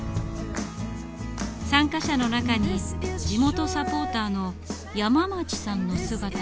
参加者の中に地元サポーターの山町さんの姿が。